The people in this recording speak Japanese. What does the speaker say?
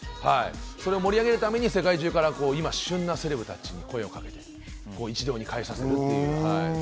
盛り上げるために世界中から今、旬のセレブたちに声をかけて、一堂に会させています。